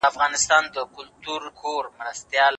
تنکۍ ولسواکي په پیل کې له منځه لاړه.